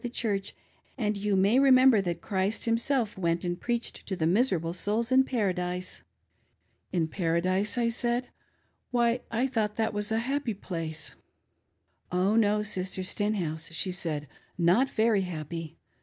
the Church, and you may remember that Christ Himself went and preached to the miserable souls in Paradise." "In Paradise.'" I said, "why I thought that was a happy place." " Oh, no, Sister Stenhouse," she' said, "not very happy.